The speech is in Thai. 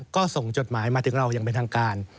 ก็ส่งจดหมายมาถึงเราอย่างเป็นทางการ